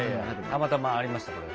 たまたまありましたこれ。